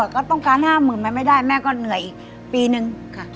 ก็ต้องการ๕๐๐๐มันไม่ได้แม่ก็เหนื่อยอีกปีนึงค่ะ